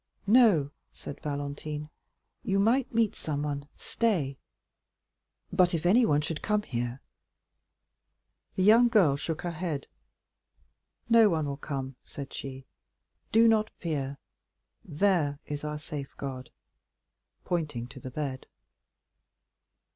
"No," said Valentine, "you might meet someone; stay." "But if anyone should come here——" The young girl shook her head. "No one will come," said she; "do not fear, there is our safeguard," pointing to the bed.